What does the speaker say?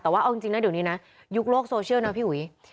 แต่ว่าเอาจริงนะเดี๋ยวนี้นะยุคโลกโซเชียลนะพี่อุ๋ย